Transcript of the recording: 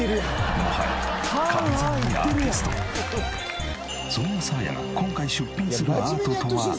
もはやそんなサーヤが今回出品するアートとは一体？